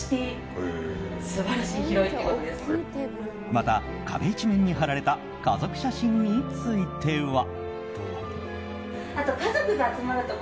また、壁一面に貼られた家族写真については。